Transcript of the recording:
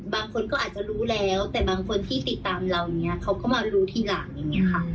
บางคนก็อาจจะรู้แล้วแต่บางคนที่ติดตามเราอย่างนี้เขาก็มารู้ทีหลังอย่างนี้ค่ะ